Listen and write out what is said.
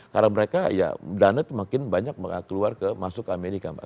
karena mereka ya dana itu makin banyak keluar masuk ke amerika mbak